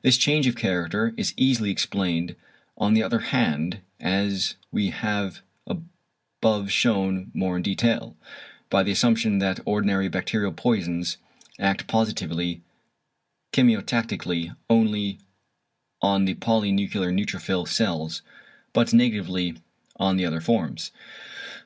This change of character is easily explained on the other hand, as we have above shewn more in detail, by the assumption that ordinary bacterial poisons act positively chemiotactically only on the polynuclear neutrophil cells, but negatively on the other forms.